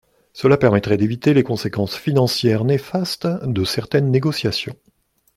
Cela permettrait d’éviter les conséquences financières néfastes de certaines négociations.